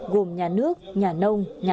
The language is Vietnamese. gồm nhà nước nhà nông nhà đất